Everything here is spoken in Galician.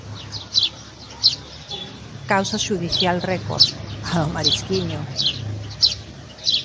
Causa xudicial récord, a do Marisquiño.